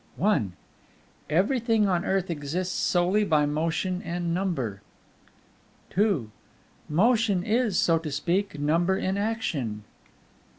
I Everything on earth exists solely by motion and number. II Motion is, so to speak, number in action.